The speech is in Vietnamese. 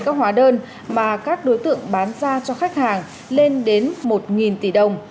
các hóa đơn mà các đối tượng bán ra cho khách hàng lên đến một tỷ đồng